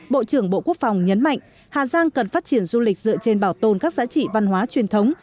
bộ trưởng bộ quốc phòng nhấn mạnh hà giang cần phát triển du lịch dựa trên bảo tồn các giá trị văn hóa truyền thống